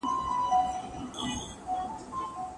که نوې ښځه پېغله وي هغې ته څومره شپې ورکول کیږي؟